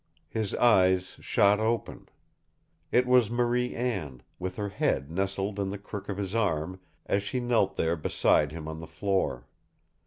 His eyes shot open. It was Marie Anne, with her head nestled in the crook of his arm as she knelt there beside him on the floor.